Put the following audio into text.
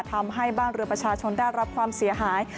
ทำให้บ้านเรือประชาชนได้รับความเสียหาย